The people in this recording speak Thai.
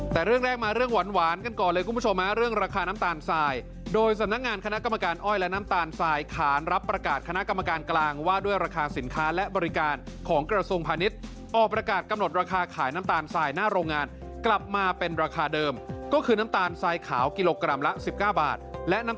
แต่เรื่องแรกมาเรื่องหวานกันก่อนเลยคุณผู้ชมเรื่องราคาน้ำตาลทรายโดยสำนักงานคณะกรรมการอ้อยและน้ำตาลทรายขานรับประกาศคณะกรรมการกลางว่าด้วยราคาสินค้าและบริการของกระทรวงพาณิชย์ออกประกาศกำหนดราคาขายน้ำตาลทรายหน้าโรงงานกลับมาเป็นราคาเดิมก็คือน้ำตาลทรายขาวกิโลกรัมละ๑๙บาทและน้ำ